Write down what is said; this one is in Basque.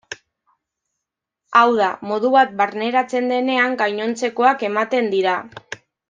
Hau da, modu bat barneratzen denean, gainontzekoak ematen dira.